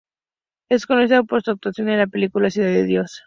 Es conocida por su actuación en la película "Ciudad de Dios".